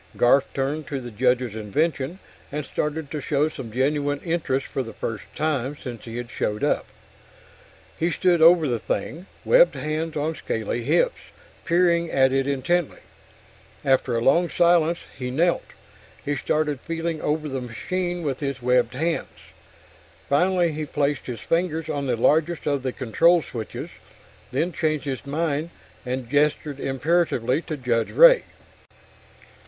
Garf turned to the Judge's invention and started to show some genuine interest for the first time since he had showed up. He stood over the thing, webbed hands on scaly hips, peering at it intently. After a long silence, he knelt, and started feeling over the machine with his webbed hands. Finally he placed his fingers on the largest of the control switches then changed his mind and gestured imperatively to Judge Ray.